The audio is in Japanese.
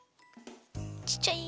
ちっちゃい。